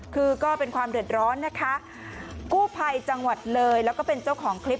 คือก็เป็นความเดือดร้อนนะคะกู้ภัยจังหวัดเลยแล้วก็เป็นเจ้าของคลิป